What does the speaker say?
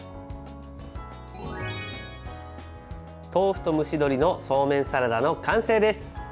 豆腐と蒸し鶏のそうめんサラダの完成です。